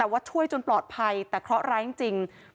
ว่าช่วยจนปลอดภัยแต่เคราะห์ร้ายจริง